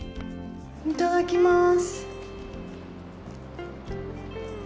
いただきまーす。